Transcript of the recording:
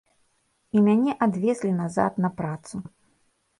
І мяне адвезлі назад на працу.